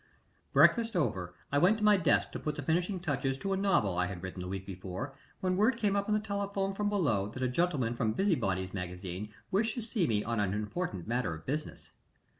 Breakfast over, I went to my desk to put the finishing touches to a novel I had written the week before, when word came up on the telephone from below that a gentleman from Busybody's Magazine wished to see me on an important matter of business.